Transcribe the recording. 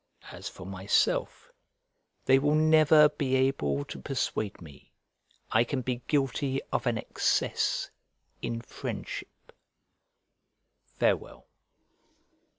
As for myself, they will never be able to persuade me I can be guilty of an excess in friendship, Farewell.